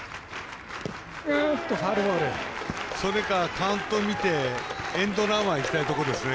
それか、カウントを見てエンドランはいきたいところですね